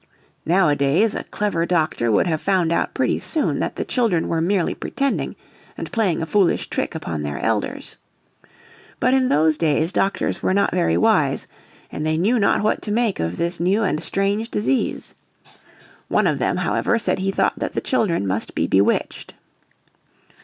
Nowadays a clever doctor would have found out pretty soon that the children were merely pretending and playing a foolish trick upon their elders. But in those days doctors were not very wise, and they knew not what to make of this new and strange disease. One of them, however, said he thought that the children must be bewitched.